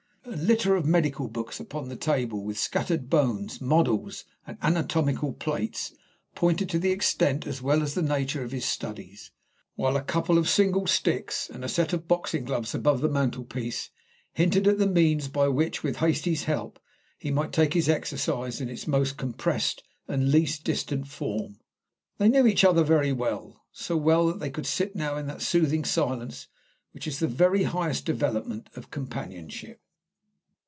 A litter of medical books upon the table, with scattered bones, models and anatomical plates, pointed to the extent as well as the nature of his studies, while a couple of single sticks and a set of boxing gloves above the mantelpiece hinted at the means by which, with Hastie's help, he might take his exercise in its most compressed and least distant form. They knew each other very well so well that they could sit now in that soothing silence which is the very highest development of companionship.